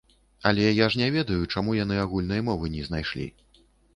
Але я ж не ведаю, чаму яны агульнай мовы не знайшлі.